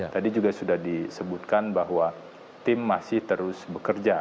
tadi juga sudah disebutkan bahwa tim masih terus bekerja